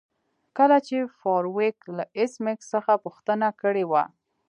کله چې فارویک له ایس میکس څخه پوښتنه کړې وه